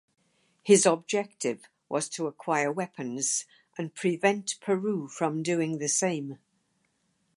His objective was to acquire weapons and prevent Peru from doing the same.